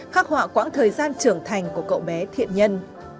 khắc họa quãng thời gian trưởng thành của cậu bé thiện nhân